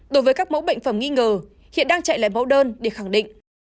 đối với các mẫu bệnh phẩm nghi ngờ hiện đang chạy lại mẫu đơn để khẳng định